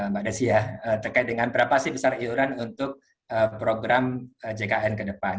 mbak desi ya terkait dengan berapa sih besar iuran untuk program jkn ke depan